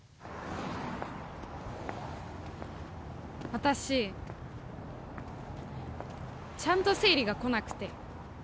私ちゃんと生理がこなくて。